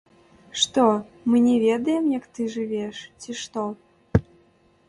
Што, мы не ведаем, як ты жывеш, ці што?